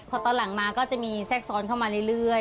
พอตอนหลังมาก็จะมีแทรกซ้อนเข้ามาเรื่อย